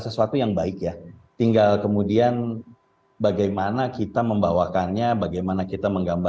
sesuatu yang baik ya tinggal di dalam film ini itu bisa menjadi jenis yang lebih baik dan lebih baik ya